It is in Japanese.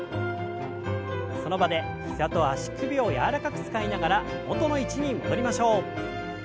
その場で膝と足首を柔らかく使いながら元の位置に戻りましょう。